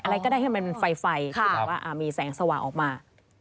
อะไรก็ได้ให้มันเป็นไฟที่แบบว่ามีแสงสว่างออกมา